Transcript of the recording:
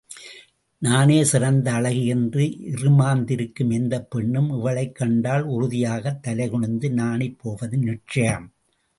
நானே சிறந்த அழகி என்று இறுமாந்திருக்கும் எந்தப் பெண்ணும் இவளைக் கண்டால், உறுதியாகத் தலைகுனிந்து நாணிப்போவது நிச்சயம்!